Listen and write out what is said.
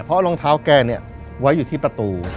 เพราะรองเท้าแกเนี่ยไว้อยู่ที่ประตู